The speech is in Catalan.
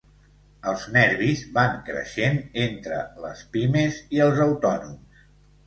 Els nervis van creixent entre les pimes i els autònoms.